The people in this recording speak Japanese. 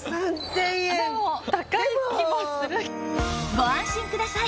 ご安心ください！